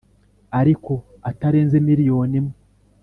ariko atarenze miliyoni imwe